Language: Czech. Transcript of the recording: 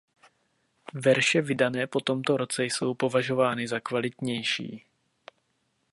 Verše vydané po tomto roce jsou považovány za kvalitnější.